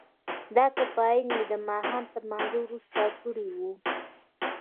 دا کمپاین مې د ماښام تر لمانځه وروسته کړی و.